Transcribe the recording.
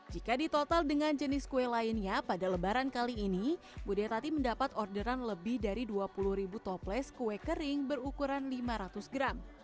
jika ditotal dengan jenis kue lainnya pada lebaran kali ini budia tati mendapat orderan lebih dari dua puluh ribu toples kue kering berukuran lima ratus gram